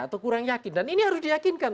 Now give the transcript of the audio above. atau kurang yakin dan ini harus diyakinkan